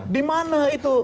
di mana itu